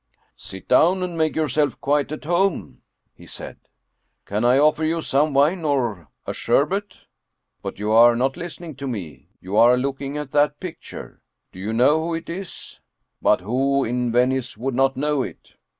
" Sit down and make yourself quite at home," he said. " Can I offer you some wine or a sherbet ? But you are not listening to me you are looking at that picture. Do you know who it is but who in Venice would not know it?